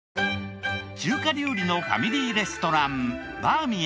中華料理のファミリーレストラン。